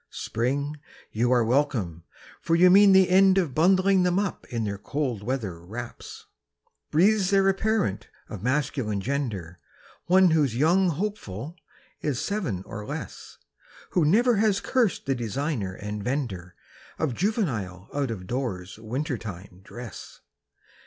Spring, you are welcome, for you mean the end of Bundling them up in their cold weather wraps. Breathes there a parent of masculine gender, One whose young hopeful is seven or less, Who never has cursed the designer and vender Of juvenile out of doors winter time dress?